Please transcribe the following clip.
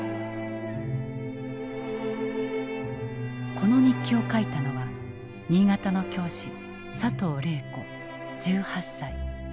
この日記を書いたのは新潟の教師佐藤禮子１８歳。